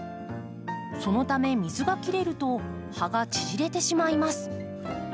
そのため水が切れると葉が縮れてしまいます。